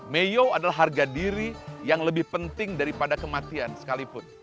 meyo adalah harga diri yang lebih penting daripada kematian sekalipun